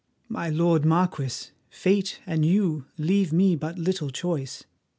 My lord Marquis, fate and you leave me but little choice.